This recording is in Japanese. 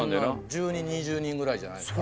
１０人２０人ぐらいじゃないですか？